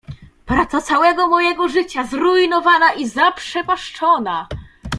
"Praca całego mojego życia zrujnowana i zaprzepaszczona!"